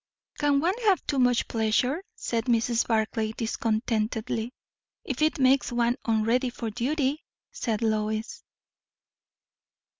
"Can one have too much pleasure?" said Mrs. Barclay discontentedly. "If it makes one unready for duty," said Lois.